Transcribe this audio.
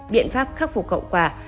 biện pháp khắc phục cậu quả